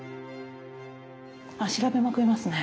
あっ調べまくりますね。